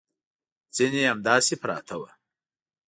ځینې همداسې پراته وو.